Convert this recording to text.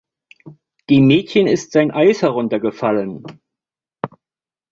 Dem Mädchen ist sein Eis heruntergefallen.